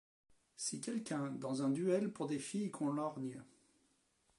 Si quelqu'un, dans un duel pour des filles qu'on lorgne